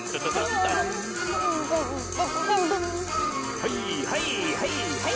はいはいはいはい！